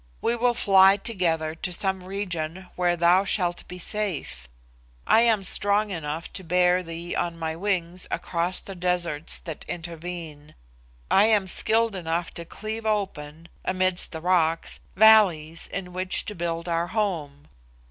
We will fly together to some region where thou shalt be safe. I am strong enough to bear thee on my wings across the deserts that intervene. I am skilled enough to cleave open, amidst the rocks, valleys in which to build our home.